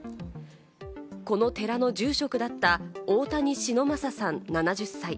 この寺の住職だった大谷忍昌さん、７０歳。